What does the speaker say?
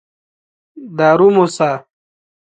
دارو موسه.